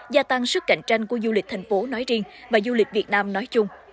gia tăng sức cạnh tranh của du lịch tp hcm nói riêng và du lịch việt nam nói chung